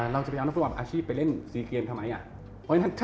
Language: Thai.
เราจะไปเอานักฟุตบอลอาชีพไปเล่นซีเกมทำไม